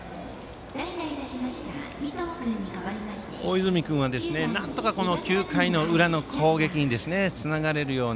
大泉君はなんとか９回の裏の攻撃につながるような。